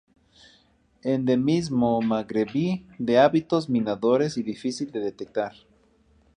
Endemismo magrebí, de hábitos minadores y difícil de detectar.